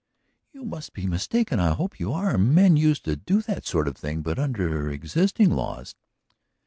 "You must be mistaken. I hope you are. Men used to do that sort of thing, but under existing laws